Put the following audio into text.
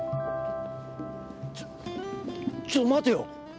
ちょっちょっと待てよ。